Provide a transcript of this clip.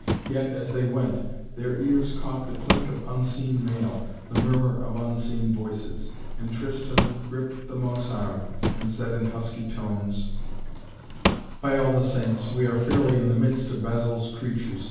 Yet, as they went, their ears caught the clink of unseen mail, the murmur of unseen voices, and Tristan gripped the monk's arm and said in husky tones: "By all the saints, we are fairly in the midst of Basil's creatures.